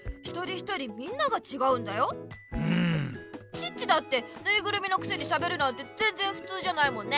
チッチだってぬいぐるみのくせにしゃべるなんてぜんぜんふつうじゃないもんね。